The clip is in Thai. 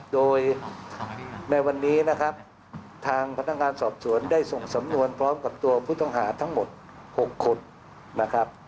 โดยในวันนี้นะครับทางพนักงานสอบสวนได้ส่งสำนวนพร้อมกับตัวผู้ต้องหาทั้งหมด๖คนนะครับ